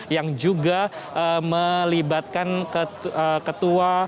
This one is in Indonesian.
yang juga melibatkan ketua